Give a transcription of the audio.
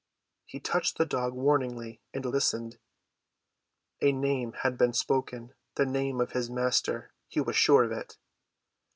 He touched the dog warningly, and listened. A name had been spoken—the name of his Master—he was sure of it.